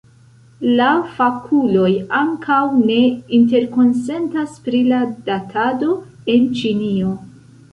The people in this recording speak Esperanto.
La fakuloj ankaŭ ne interkonsentas pri la datado en Ĉinio.